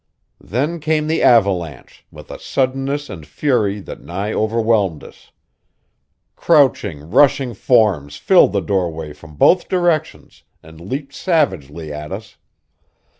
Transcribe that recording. Then came the avalanche, with a suddenness and fury that nigh overwhelmed us. Crouching, rushing forms filled the doorway from both directions and leaped savagely at us.